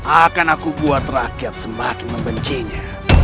akan aku buat rakyat semakin membencinya